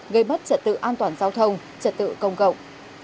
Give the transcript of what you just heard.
gây mất trật tự an toàn giao thông trật tự công cộng